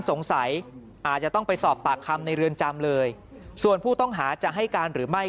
สงสัยอาจจะต้องไปสอบปากคำในเรือนจำเลยส่วนผู้ต้องหาจะให้การหรือไม่